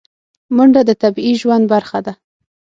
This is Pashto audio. منډه د طبیعي ژوند برخه ده